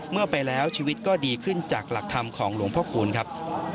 เมื่อไปแล้วชีวิตก็ดีขึ้นจากหลักธรรมของหลวงพ่อคูณครับ